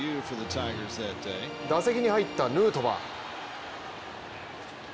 打席に入ったヌートバー。